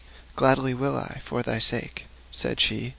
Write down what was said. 'Gladly will I, for thy sake,' said she.